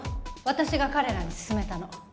私が彼らに勧めたの